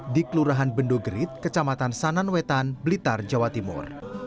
di kelurahan bendogrit kecamatan sananwetan blitar jawa timur